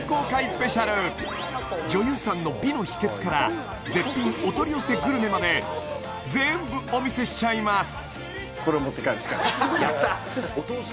スペシャル女優さんの美の秘訣から絶品お取り寄せグルメまで全部お見せしちゃいます